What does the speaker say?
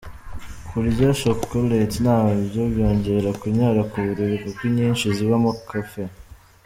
Kurya chocolate nabyo byongera kunyara ku buriri kuko inyinshi zibamo caffeine.